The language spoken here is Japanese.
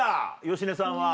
芳根さんは。